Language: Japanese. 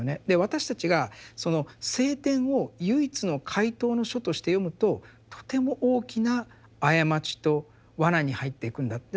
で私たちがその聖典を唯一の解答の書として読むととても大きな過ちと罠に入っていくんだ。